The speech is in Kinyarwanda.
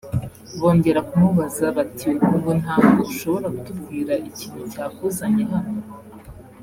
bongera kumubaza “Bati ubu ntabwo ushobora kutubwira ikintu cyakuzanye hano